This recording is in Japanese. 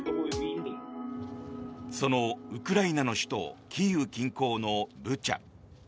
そのウクライナの首都キーウ近郊のブチャ。